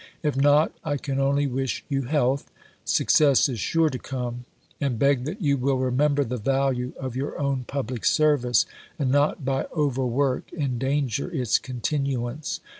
If not, I can only wish you health success is sure to come and beg that you will remember the value of your own public service, and not by overwork endanger its continuance.